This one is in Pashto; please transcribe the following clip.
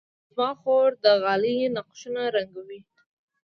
زما خور د غالۍ نقشونه رنګوي.